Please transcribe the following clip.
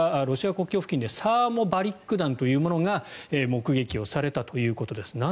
ロシア国境付近でサーモバリック弾というものが目撃をされたということです。